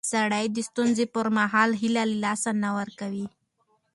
سړی د ستونزو پر مهال هیله له لاسه نه ورکوي